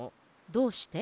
「どうして？」。